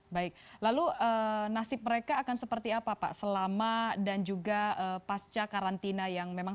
baik lalu nasib mereka akan seperti apa pak selama dan juga pasca karantina yang memang